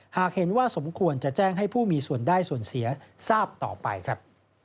หากเห็นว่าสมควรจะแจ้งให้ผู้มีส่วนได้ส่วนเสียทราบต่อไปครับ